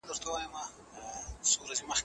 هغه سړی چې لار ښيي مهربان دی.